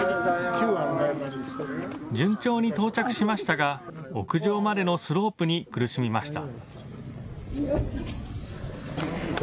順調に到着しましたが屋上までのスロープに苦しみました。